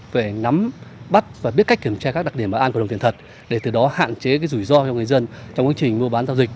về nắm bắt và biết cách kiểm tra các đặc điểm an của đồng tiền thật để từ đó hạn chế rủi ro cho người dân trong quá trình mua bán giao dịch